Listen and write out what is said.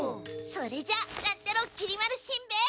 それじゃ乱太郎きり丸しんべヱ。